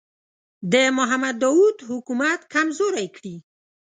د محمد داوود حکومت کمزوری کړي.